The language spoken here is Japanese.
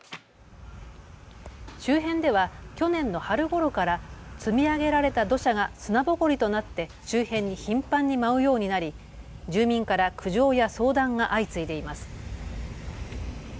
周辺では去年の春ごろから積み上げられた土砂が砂ぼこりとなって周辺に頻繁に舞うようになり住民から苦情や相談が相次いでいます。